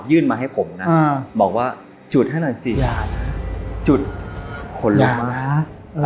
ยื่นมาให้ผมนะอืมบอกว่าจุดให้หน่อยสิอย่านะจุดอย่านะ